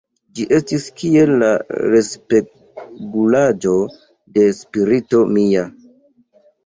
Ĝi estis kiel la respegulaĵo de spirito mia.